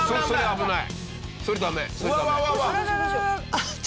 危ない。